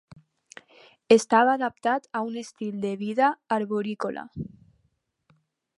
Estava adaptat a un estil de vida arborícola.